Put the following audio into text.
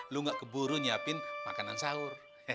lo gak keburu nyiapin makanan saur